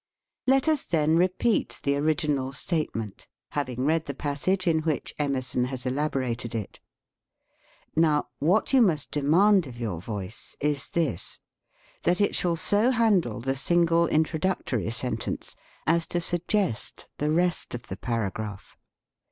Let us then repeat the original statement, having read the passage in which Emerson has elaborated it. Now, what you must de mand of your voice is this: that it shall so handle the single introductory sentence as to suggest the rest of the paragraph.